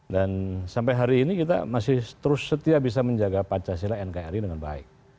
dan sampai hari ini kita masih terus setia bisa menjaga pancasila nkri dengan baik